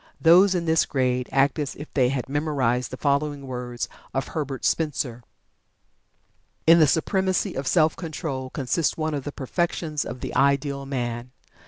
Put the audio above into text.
Those in this grade act as if they had memorized the following words of Herbert Spencer: "In the supremacy of self control consists one of the perfections of the ideal man.